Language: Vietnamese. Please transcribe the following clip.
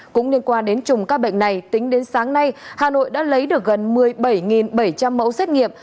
cũng liên quan đến chùm ca bệnh này tính đến sáng nay hà nội đã lấy được gần một mươi bảy bảy trăm linh mẫu xét nghiệm